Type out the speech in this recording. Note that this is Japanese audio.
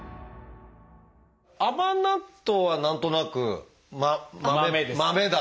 甘納豆は何となく豆だから。